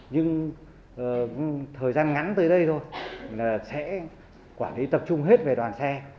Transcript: nhưng thời gian ngắn tới đây thôi là sẽ quản lý tập trung hết về đoàn xe